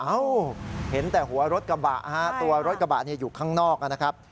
เอ้าเห็นแต่หัวรถกระบะฮะตัวรถกระบะอยู่ข้างนอกนะครับ